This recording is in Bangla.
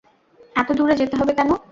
এত দুরে যেতে হবে কেন?